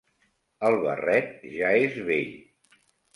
El barret ja és vell.